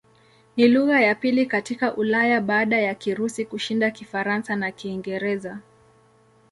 Ni lugha ya pili katika Ulaya baada ya Kirusi kushinda Kifaransa na Kiingereza.